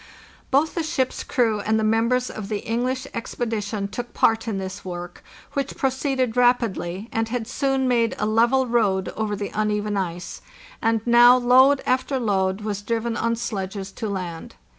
Both the ship's crew and the members of the English expedition took part in this work, which proceeded rapidly, and had soon made a level road over the uneven ice; and now load after load was driven on sledges to land.